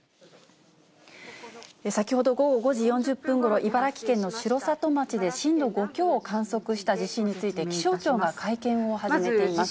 先ほど午後５時４０分ごろ、茨城県の城里町で震度５強を観測した地震について、気象庁が会見を始めています。